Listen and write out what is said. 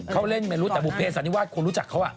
เขาเล่นไม่รู้แต่บุเภสันนิวาสคนรู้จักเขา